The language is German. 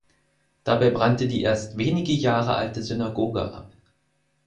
Dabei brannte die erst wenige Jahre alte Synagoge ab.